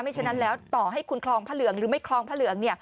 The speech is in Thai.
ฉะนั้นแล้วต่อให้คุณคลองพระเหลืองหรือไม่คลองพระเหลือง